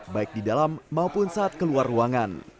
baik di dalam maupun saat keluar ruangan